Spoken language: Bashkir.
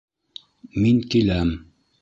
Мин киләм!..